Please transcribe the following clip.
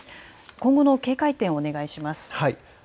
今後の警戒点をお願いします。